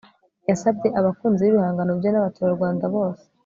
yasabye abakunzi b'ibihangano bye n'abaturarwanda bose